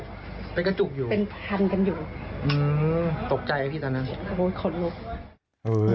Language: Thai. ตกใจไหมพี่ตอนนั้น